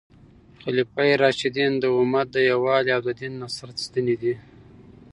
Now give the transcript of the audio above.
خلفای راشدین د امت د یووالي او د دین د نصرت ستنې دي.